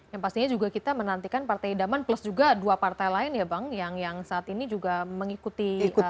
yang pastinya juga kita menantikan partai idaman plus juga dua partai lain ya bang yang saat ini juga mengikuti